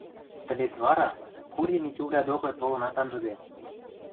Тӹлец вара Кури Митювлӓ докы толынат анжыде.